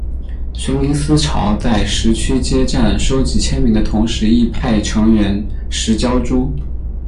学民思潮在十区街站收集签名的同时亦派成员拾胶珠。